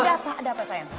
ada apa ada apa sayang